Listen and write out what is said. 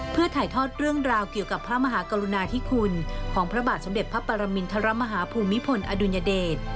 เพื่อถ่ายทอดเรื่องราวเกี่ยวกับพระมหากรุณาธิคุณของพระบาทสมเด็จพระปรมินทรมาฮาภูมิพลอดุลยเดช